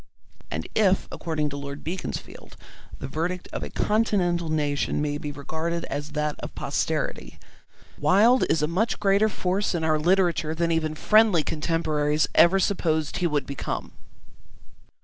And if, according to Lord Beaconsfield, the verdict of a continental nation may be regarded as that of posterity, Wilde is a much greater force in our literature than even friendly contemporaries ever supposed he would become.